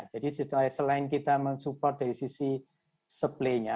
jadi selain kita mensupport dari sisi supply nya